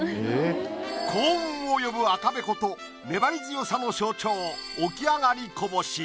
幸運を呼ぶ赤べこと粘り強さの象徴起き上がり小法師。